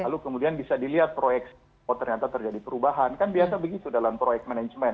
lalu kemudian bisa dilihat proyek oh ternyata terjadi perubahan kan biasa begitu dalam proyek manajemen